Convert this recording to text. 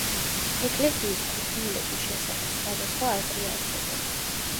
ეკლესიის კუთვნილების შესახებ სხვადასხვა აზრი არსებობს.